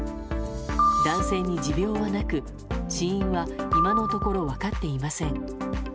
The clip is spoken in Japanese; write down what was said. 男性に持病はなく死因は今のところ分かっていません。